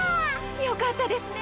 よかったですね！